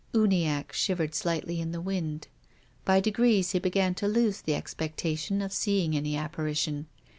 Uniacke shiv ered slightly in the wind. By degrees he began to lose the expectation of seeing any apparition.